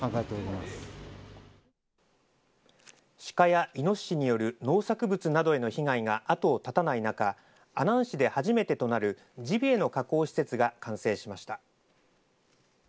シカやイノシシによる農作物などへの被害が後を絶たない中阿南市で初めてとなるジビエの加工施設が完成しました。